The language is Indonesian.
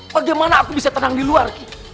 bagaimana aku bisa tenang di luar